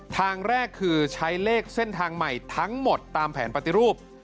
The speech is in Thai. ทางแรกคือใช้เลขเส้นทางใหม่ทั้งหมดตามแผนปฏิรูป